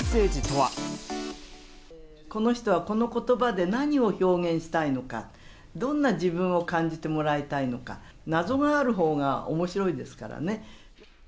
この人はこのことばで何を表現したいのか、どんな自分を感じてもらいたいのか、謎があるほうがおもしろいですからね。